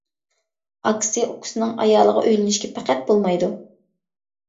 ئاكىسى ئۇكىسىنىڭ ئايالىغا ئۆيلىنىشكە پەقەت بولمايدۇ.